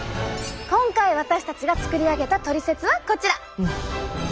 今回私たちが作り上げたトリセツはこちら。